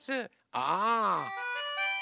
ああ。